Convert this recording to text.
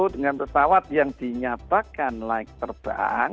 dengan pesawat yang dinyatakan layak terbang